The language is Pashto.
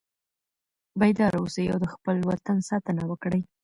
بیدار اوسئ او د خپل وطن ساتنه وکړئ.